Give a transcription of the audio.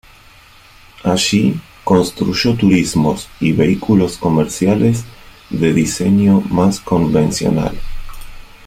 Allí, construyó turismos y vehículos comerciales de diseño más convencional.